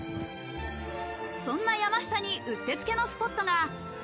そんな山下にうってつけのスポットが。